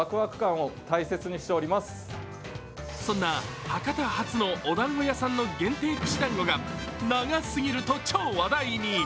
そんな博多発のおだんご屋さんの限定串だんごが長すぎると超話題に。